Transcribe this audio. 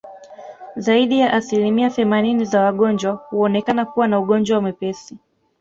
Zaidi ya asilimia themanini za wagonjwa huonekana kuwa na ugonjwa mwepesi